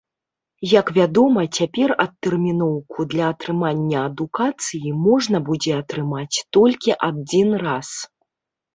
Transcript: Як вядома, цяпер адтэрміноўку для атрымання адукацыі можна будзе атрымаць толькі адзін раз.